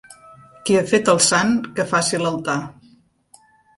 Qui ha fet el sant, que faci l'altar.